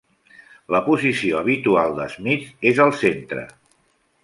La posició habitual de Smith és al centre.